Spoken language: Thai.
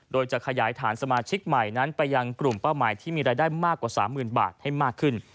โดยจะขยายฐานสมาชิกใหม่นั้นไปยังกลุ่มเป้าหมายที่มีรายได้มากกว่า๓๐๐๐บาทให้มากขึ้น